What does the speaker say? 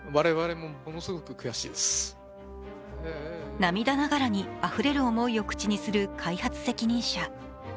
涙ながらにあふれる思いを口にする開発責任者。